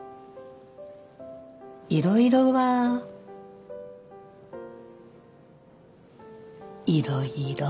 いろいろはいろいろ。